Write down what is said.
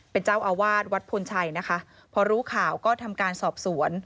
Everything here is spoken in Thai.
เป็นเจ้าอาวาสวัดพลชัยนะคะพอรู้ข่าวก็ทำการสอบสวน